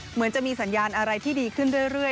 เหมือนจะมีสัญญาณอะไรที่ดีขึ้นเรื่อย